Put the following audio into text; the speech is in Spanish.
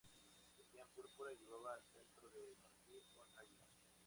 Vestían púrpura y llevaban cetro de marfil con águila.